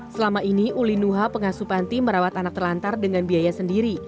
selama ini ulinuha pengasuh panti merawat anak telantar dengan biaya sendiri